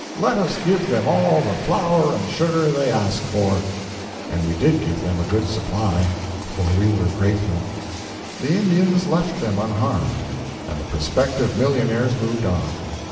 Let us give them all the flour and sugar they ask for.' And we did give them a good supply, for we were grateful." The Indians left them unharmed, and the prospective millionaires moved on.